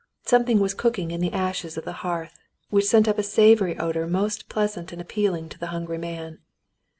Something was cooking in the ashes on the hearth which sent up a savory odor most pleasant and appealing to the hungry man.